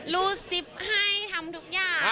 รูดซิปให้ทำทุกอย่าง